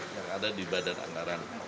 yang ada di badan anggaran